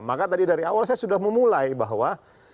maka tadi dari awal saya sudah memulai bahwa